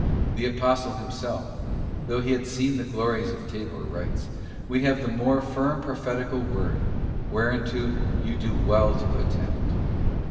The Apostle himself, though he had seen the glories of Tabor, writes, 'We have the more firm prophetical word, whereunto you do well to attend.